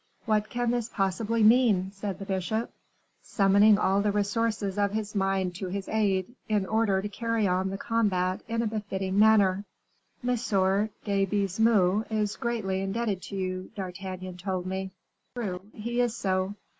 "What can this possibly mean?" said the bishop, summoning all the resources of his mind to his aid, in order to carry on the combat in a befitting manner. "M. de Baisemeaux is greatly indebted to you, D'Artagnan told me." "True, he is so."